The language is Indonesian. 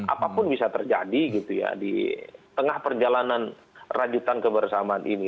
apapun bisa terjadi di tengah perjalanan rajutan kebersamaan ini